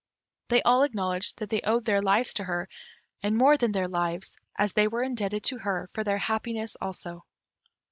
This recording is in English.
They all acknowledged that they owed their lives to her, and more than their lives, as they were indebted to her for their happiness also.